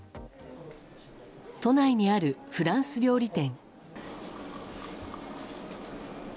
都内にあるフランス料理店。